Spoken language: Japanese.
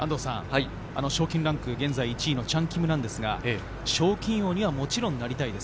賞金ランク現在１位のチャン・キムですが、賞金王にはもちろんなりたいです。